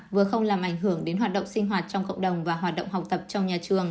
vừa không làm ảnh hưởng đến hoạt động sinh hoạt trong cộng đồng và hoạt động học tập trong nhà trường